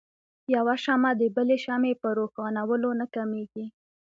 يوه شمعه د بلې شمعې په روښانؤلو نه کميږي.